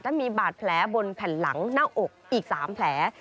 และมีบาดแผลบนแผ่นหลังหน้าอกอีก๓แผล